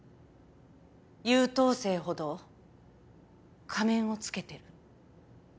優等生ほど仮面をつけてる。